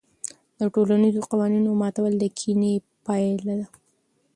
د ټولنیزو قوانینو ماتول د کینې پایله ده.